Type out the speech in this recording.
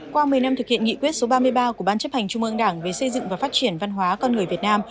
qua một mươi năm thực hiện nghị quyết số ba mươi ba của ban chấp hành trung ương đảng về xây dựng và phát triển văn hóa con người việt nam